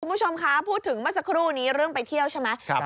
คุณผู้ชมคะพูดถึงเมื่อสักครู่นี้เรื่องไปเที่ยวใช่ไหม